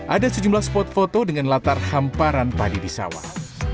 ada sejumlah spot foto dengan latar hamparan padi di sawah